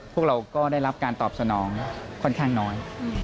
พวกเราก็ได้รับการตอบสนองค่อนข้างน้อย